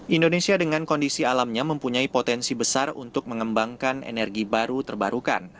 indonesia dengan kondisi alamnya mempunyai potensi besar untuk mengembangkan energi baru terbarukan